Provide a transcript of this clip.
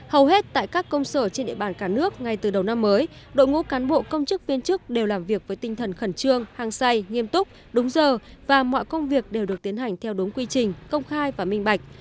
hầu hết tại các công sở trên địa bàn cả nước ngay từ đầu năm mới đội ngũ cán bộ công chức viên chức đều làm việc với tinh thần khẩn trương hàng say nghiêm túc đúng giờ và mọi công việc đều được tiến hành theo đúng quy trình công khai và minh bạch